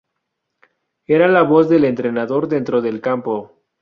Era la voz del entrenador dentro del campo.